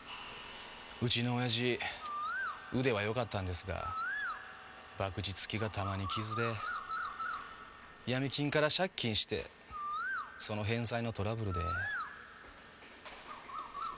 うちの親父腕は良かったんですが博打好きが玉に瑕でヤミ金から借金してその返済のトラブルで。